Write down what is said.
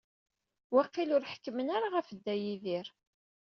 Waqil ur ḥekkmen ara ɣef Dda Yidir.